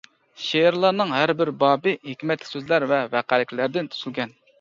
شېئىرلارنىڭ ھەربىر بابى ھېكمەتلىك سۆزلەر ۋە ۋەقەلىكلەردىن تۈزۈلگەن.